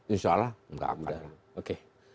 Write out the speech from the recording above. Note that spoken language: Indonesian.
insya allah nggak akan